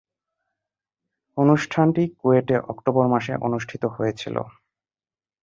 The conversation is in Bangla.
অনুষ্ঠানটি কুয়েটে অক্টোবর মাসে অনুষ্ঠিত হয়েছিলো।